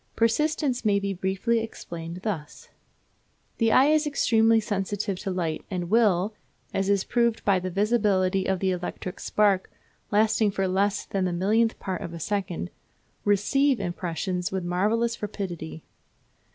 Persistence may be briefly explained thus: The eye is extremely sensitive to light, and will, as is proved by the visibility of the electric spark, lasting for less than the millionth part of a second, receive impressions with marvellous rapidity.